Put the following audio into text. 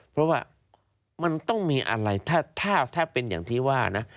เพราะว่ามันต้องมีอะไรถ้าเป็นอย่างที่ว่านะ